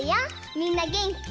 みんなげんき？